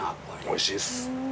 おいしいっす。